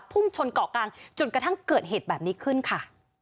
พุ่งชนเกาะกลางจนกระทั่งเกิดเหตุแบบนี้ขึ้นค่ะ